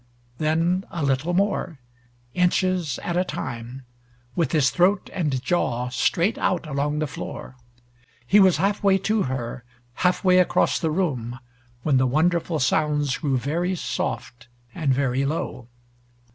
Then a little more inches at a time, with his throat and jaw straight out along the floor! He was half way to her half way across the room when the wonderful sounds grew very soft and very low.